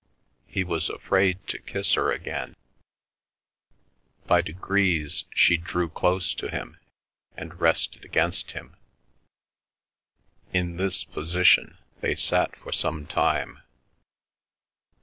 He was afraid to kiss her again. By degrees she drew close to him, and rested against him. In this position they sat for some time.